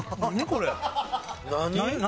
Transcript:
これ。